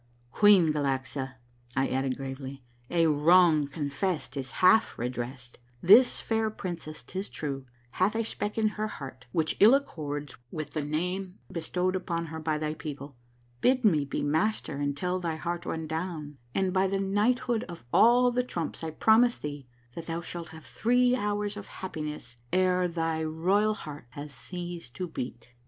" Queen Galaxa," I added gravely, " a wrong confessed is half redressed. This fair princess, 'tis true, hath a speck in her lieart which ill accords with the name bestowed upon her by thy people. Bid me be master until thy heart runs down, and by the Knight hood of all the Trumps I promise thee that thou shalt have three hours of happiness ere tliy royal heart has ceased to beat